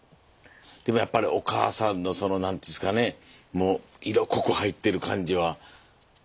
でもやっぱりお母さんのその何ていうんですかねもう色濃く入っている感じはしますよね。